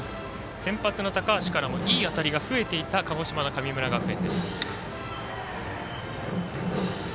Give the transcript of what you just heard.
先発の高橋からもいい当たりが増えていた鹿児島の神村学園。